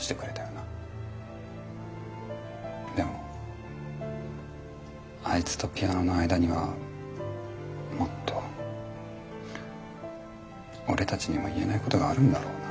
でもあいつとピアノの間にはもっと俺たちにも言えないことがあるんだろうな。